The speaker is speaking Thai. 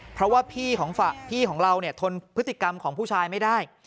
เพราะว่าพี่ของพี่ของเราเนี่ยทนพฤติกรรมของผู้ชายไม่ได้